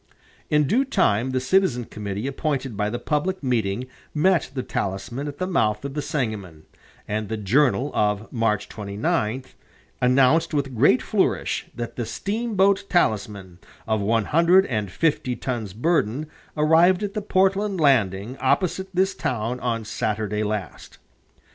In due time the citizen committee appointed by the public meeting met the Talisman at the mouth of the Sangamon, and the "Journal" of March 29 announced with great flourish that the "steamboat Talisman, of one hundred and fifty tons burden, arrived at the Portland landing opposite this town on Saturday last."